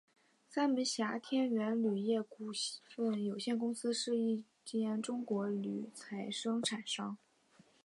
三门峡天元铝业股份有限公司是一间中国铝材生产商。